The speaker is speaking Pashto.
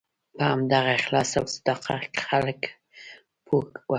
په همدغه اخلاص او صداقت خلک پوه وو.